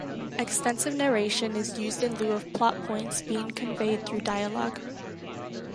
Extensive narration is used in lieu of plot points being conveyed through dialogue.